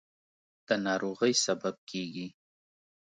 د ناروغۍ سبب کېږي.